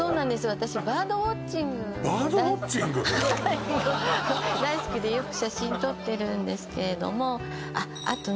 私バードウォッチングもはい大好きでよく写真撮ってるんですけれどもあっあとね